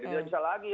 tidak bisa lagi